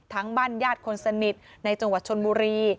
บ้านญาติคนสนิทในจังหวัดชนบุรี